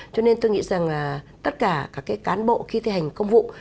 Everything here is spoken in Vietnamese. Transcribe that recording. cho nên tôi nghĩ rằng là tất cả các cán bộ khi thi hành công vụ